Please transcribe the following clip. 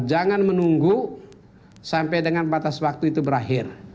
jangan menunggu sampai dengan batas waktu itu berakhir